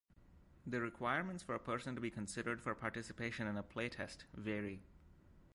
The requirements for a person to be considered for participation in a playtest vary.